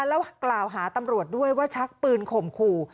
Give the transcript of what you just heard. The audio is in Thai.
แล้วกล่าวหาตำรวจด้วยว่าชักปืนข่มขู่